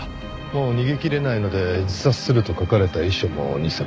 「もう逃げきれないので自殺する」と書かれた遺書も偽物。